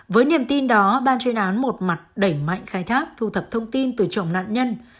với niềm tin đó ban chuyên án một mặt đẩy mạnh khai thác thu thập thông tin từ chồng nạn nhân